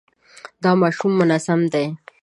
دا ماشوم منظم دی.